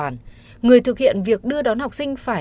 người thực hiện việc đưa đón học sinh phải